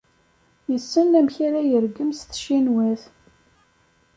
Yessen amek ara yergem s tcinwat.